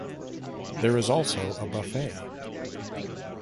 There is also a buffet.